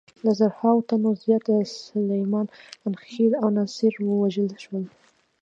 له زرهاوو تنو زیات سلیمان خېل او ناصر ووژل شول.